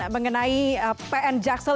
mengenai pn jaksal